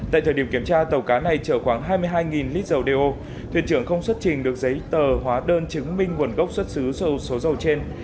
tại thời điểm kiểm tra tàu cá này chở khoảng hai mươi hai lít dầu đeo thuyền trưởng không xuất trình được giấy tờ hóa đơn chứng minh nguồn gốc xuất xứ số dầu trên